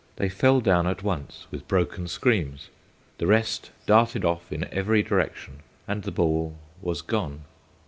They fell down at once, with broken screams. The rest darted off in every direction, and the ball was gone.